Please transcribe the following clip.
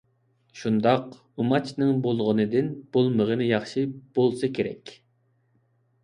شۇنداق «ئۇماچ»نىڭ بولغىنىدىن بولمىغنى ياخشى بولسا كېرەك.